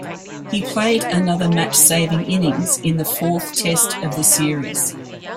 He played another match-saving innings in the fourth Test of the series.